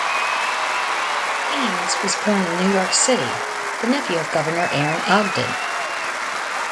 Haines was born in New York City, the nephew of Governor Aaron Ogden.